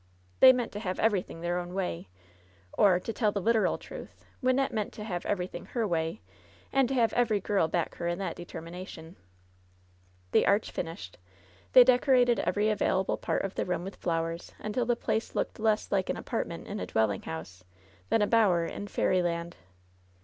They meant to have everything their own way, or, to tell the literal truth, Wynnette meant to have everything her way, and to have every girl back her in that deter mination. The arch finished, they decorated every available part of the room with flowers, until the place looked less like an apartment in a dwelling house than a bower in fairy land.